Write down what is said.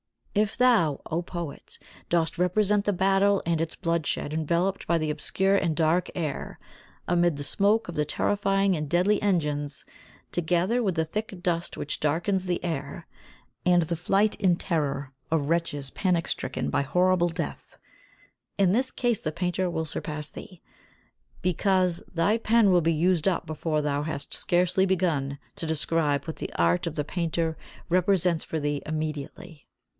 If thou, O poet, dost represent the battle and its bloodshed enveloped by the obscure and dark air, amid the smoke of the terrifying and deadly engines, together with the thick dust which darkens the air, and the flight in terror of wretches panic stricken by horrible death; in this case the painter will surpass thee, because thy pen will be used up before thou hast scarcely begun to describe what the art of the painter represents for thee immediately.